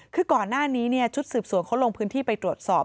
คือก่อนหน้านี้ชุดสืบสวนเขาลงพื้นที่ไปตรวจสอบ